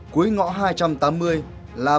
cuối ngõ hai trăm tám mươi là bãi tập kết vật liệu